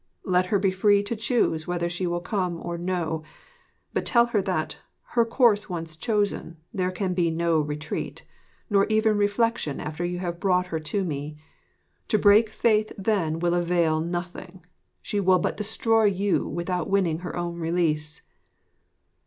Let her be free to choose whether she will come or no; but tell her that, her course once chosen, there can be no retreat, nor even reflection after you have brought her to me. To break faith then will avail nothing: she will but destroy you without winning her own release.'